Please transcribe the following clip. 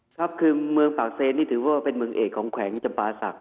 ครับคือเมืองปากเซนนี่ถือว่าเป็นเมืองเอกของแขวงจำปาศักดิ